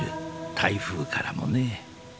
台風からもね］